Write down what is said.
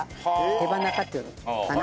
手羽中っていうのかな？